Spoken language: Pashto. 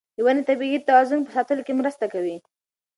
ونې د طبیعي توازن په ساتلو کې مرسته کوي.